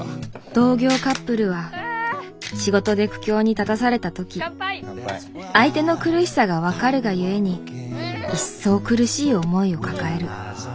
同業カップルは仕事で苦境に立たされた時相手の苦しさが分かるが故に一層苦しい思いを抱える。